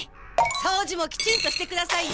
そうじもきちんとしてくださいね。